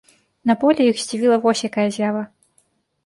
На полі іх здзівіла вось якая з'ява.